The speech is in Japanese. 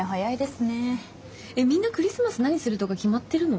みんなクリスマス何するとか決まってるの？